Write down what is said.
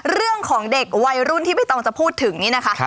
เรื่องของเด็กวัยรุ่นที่ไม่ต้องจะพูดถึงนี่นะคะ